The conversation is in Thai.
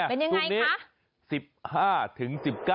เป็นยังไงคะ